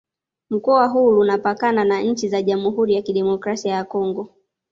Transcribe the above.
Mkoa huu Lunapakana na nchi za Jamhuri ya Kidemokrasi ya Kongo